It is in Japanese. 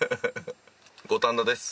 五反田です。